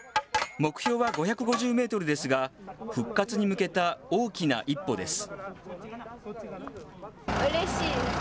目標は５５０メートルですが、復活に向けた大きな一歩です。